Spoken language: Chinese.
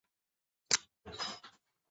他还是不时去摸摸小孩